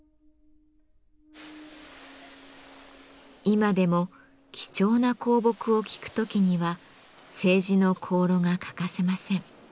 今でも貴重な香木を聞く時には青磁の香炉が欠かせません。